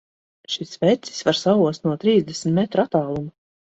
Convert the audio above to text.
Šis vecis var saost no trīsdesmit metru attāluma!